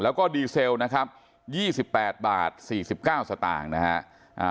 แล้วก็ดีเซลล์นะครับ๒๘บาท๔๙สตางค์นะฮะ